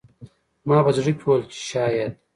ما په زړه کې وویل چې شاید